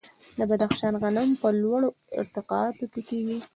د بدخشان غنم په لوړو ارتفاعاتو کې کیږي.